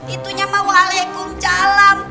itunya mawalaikum salam